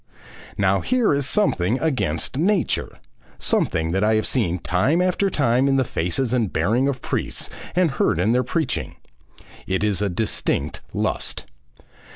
Now here is something against nature, something that I have seen time after time in the faces and bearing of priests and heard in their preaching. It is a distinct lust.